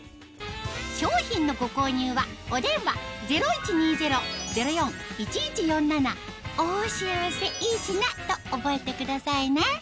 商品のご購入はお電話０１２０−０４−１１４７と覚えてくださいね